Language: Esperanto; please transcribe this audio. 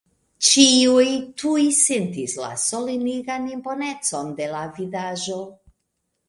Ĉiuj tuj sentis la solenigan imponecon de la vidaĵo.